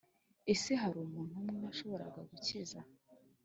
Ese hari umuntu umwe washoboraga gukiza